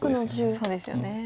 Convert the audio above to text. そうですよね。